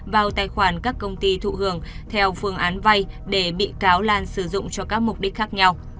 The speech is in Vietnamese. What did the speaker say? vào tài khoản các công ty thụ hưởng theo phương án vay để bị cáo lan sử dụng cho các mục đích khác nhau